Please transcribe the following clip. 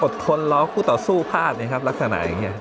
ทนร้องคู่ต่อสู้พลาดไหมครับลักษณะอย่างนี้